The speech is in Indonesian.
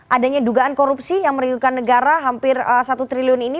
adanya dugaan korupsi yang meriukan negara hampir satu triliun ini